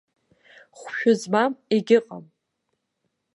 Хәшәы змам егьыҟам!